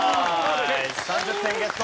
３０点ゲット！